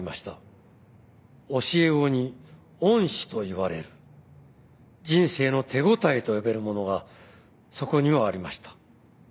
「教え子に恩師と言われる」「人生の手応えと呼べるものがそこにはありました」